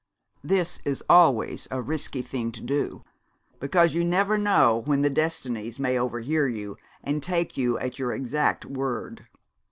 This is always a risky thing to do, because you never know when the Destinies may overhear you and take you at your exact word.